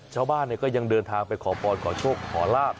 ชาวบ้านก็ยังเดินทางไปขอพรขอโชคขอลาบ